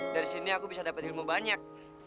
dari sini aku bisa dapat ilmu banyak